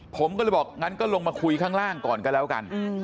ผมก็เลยบอกงั้นก็ลงมาคุยข้างล่างก่อนก็แล้วกัน